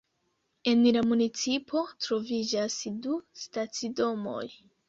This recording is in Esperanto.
En la municipo troviĝas du stacidomoj.